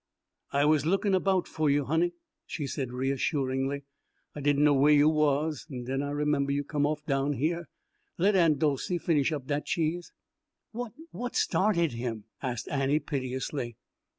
"I was lookin' erbout foh you, honey," she said reassuringly. "I di'n' know where you was, en den I remembah you come off down heah. Let Aunt Dolcey finish up dat cheese." "What what started him?" asked Annie piteously.